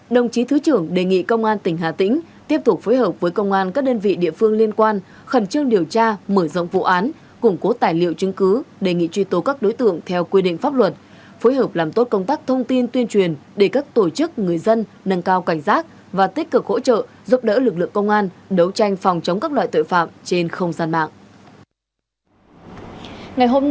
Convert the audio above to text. đồng chí thứ trưởng đề nghị công an tỉnh hà tĩnh tiếp tục phối hợp với công an các đơn vị địa phương liên quan khẩn trương điều tra mở rộng vụ án củng cố tài liệu chứng cứ đề nghị truy tố các đối tượng theo quy định pháp luật phối hợp làm tốt công tác thông tin tuyên truyền để các tổ chức người dân nâng cao cảnh giác và tích cực hỗ trợ giúp đỡ lực lượng công an đấu tranh phòng chống các loại tội phạm trên không gian mạng